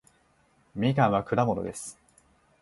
みかんは果物です